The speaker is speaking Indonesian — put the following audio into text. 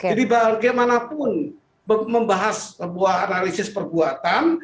jadi bagaimanapun membahas sebuah analisis perbuatan